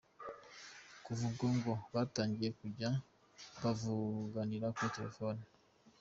Kuva ubwo ngo batangiye kujya bavuganira kuri telefoni.